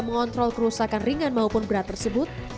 mengontrol kerusakan ringan maupun berat tersebut